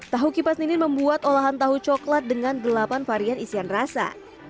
tahu kipas ninin membuat olahan tahu coklat dengan delapan varian isian rasa